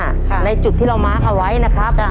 ตรงข้างหน้าในจุดที่เรามาร์คเอาไว้นะครับ